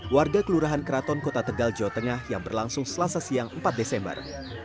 warga kelurahan keraton kota tegal jawa tengah yang berlangsung selasa siang empat desember